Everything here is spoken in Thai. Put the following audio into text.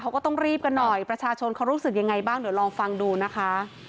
เขาก็ต้องรีบกันหน่อยประชาชนเขารู้สึกยังไงบ้างเดี๋ยวลองฟังดูนะคะ